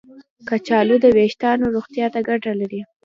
کچالو د ویښتانو روغتیا ته ګټه لري.